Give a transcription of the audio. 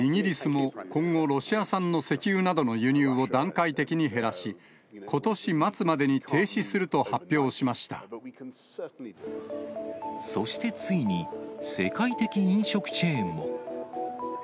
イギリスも今後、ロシア産の石油などの輸入を段階的に減らし、ことし末までに停止そして、ついに世界的飲食チェーンも。